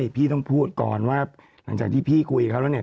พี่ต้องพูดก่อนว่าหลังจากที่พี่คุยกับเขาแล้วเนี่ย